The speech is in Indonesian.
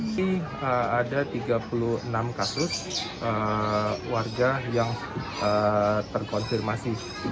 masih ada tiga puluh enam kasus warga yang terkonfirmasi